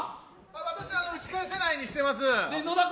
私は打ち返せないにしています。